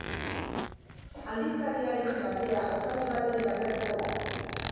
Aldizkariarekin batera, opari bat ere banatuko da.